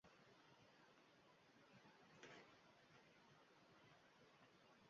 Yaqinda qirq birga kiraman.